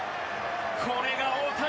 これが大谷。